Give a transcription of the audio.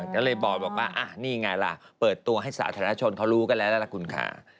ก็เลยบอกว่านี่ไงล่ะเปิดตัวให้สาธารณชนเขารู้กันแล้วล่ะคุณค่ะ